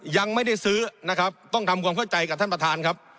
ยังไม่ได้ซื้อนะครับต้องทำความเข้าใจกับท่านประธานครับ